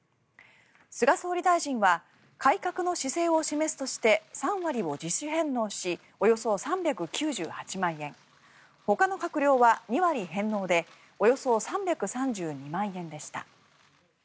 菅総理大臣は改革の姿勢を示すとして３割を自主返納しおよそ３９８万円ほかの閣僚は２割返納でおよそ３３２万円でした。